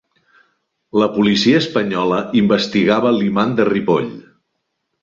La policia espanyola investigava l'imam de Ripoll